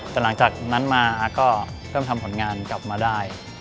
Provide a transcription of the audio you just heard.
แต่หลังจากนั้นมาอาร์ก็เริ่มทำผลงานกลับมาได้